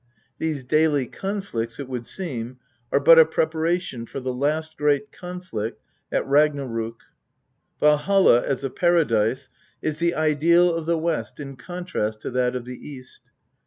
These daily conflicts, it would seem> are but a preparation for the last great conflict at Ragnarok. Valholl as a paradise is the ideal of the West in contrast to that of the East.